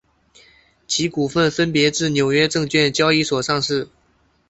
其股份分别自纽约证券交易所上市。